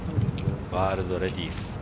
ワールドレディス。